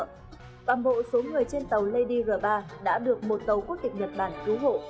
toàn bộ số người trên tàu lady lr ba đã được một tàu quốc tịch nhật bản cứu hộ